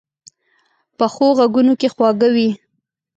پخو غږونو کې خواږه وي